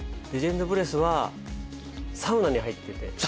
レジェンド・ブレスはサウナに入ってて。